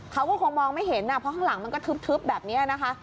เขาก็คงมองไม่เห็นเพราะข้างหลังมันก็ทึบแบบนี้นะคะ